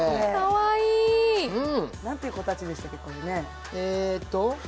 何て子たちでしたっけね？